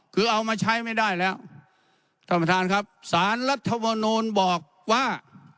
คือเอามาใช้ไม่ได้แล้วท่านประธานครับสารรัฐมนูลบอกว่า